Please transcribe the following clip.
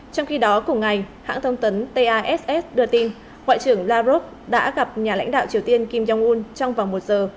trong khi đó cùng ngày hãng thông tấn tass đưa tin ngoại trưởng lavrov đã gặp nhà lãnh đạo triều tiên kim jong un trong vòng một giờ